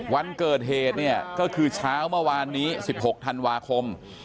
วันเกิดเหตุเนี่ยก็คือเช้าเมื่อวานนี้๑๖ธันวาคม